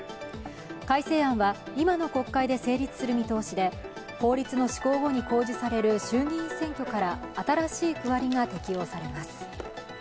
改正案は今の国会で成立する見通しで法律の施行後に公示される衆議院選挙から新しい区割りが適用されます。